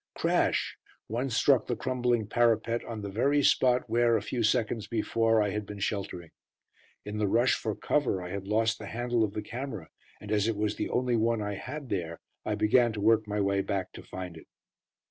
Crash! One struck the crumbling parapet on the very spot where, a few seconds before, I had been sheltering. In the rush for cover I had lost the handle of the camera, and as it was the only one I had there, I began to work my way back to find it.